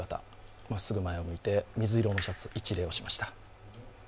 まっすぐ前を向いて、水色のシャツ一礼しました。